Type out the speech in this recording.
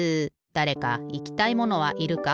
だれかいきたいものはいるか？